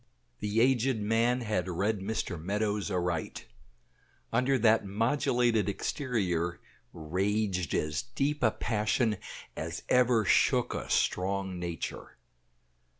The aged man had read Mr. Meadows aright; under that modulated exterior raged as deep a passion as ever shook a strong nature.